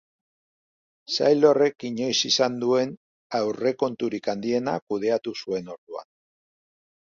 Sail horrek inoiz izan duen aurrekonturik handiena kudeatu zuen orduan.